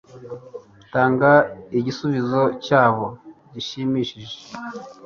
Tanga igisubizo cyabo gishimishije